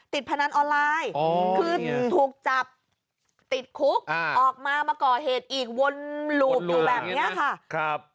พนันออนไลน์คือถูกจับติดคุกออกมามาก่อเหตุอีกวนหลูบอยู่แบบนี้ค่ะ